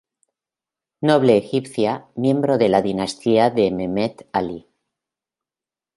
Noble egipcia, miembro de la dinastía de Mehmet Alí.